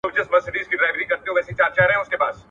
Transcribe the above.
څه زلمۍ شپې وې شرنګ د پایلو